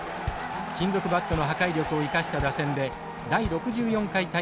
金属バットの破壊力を生かした打線で第６４回大会で優勝。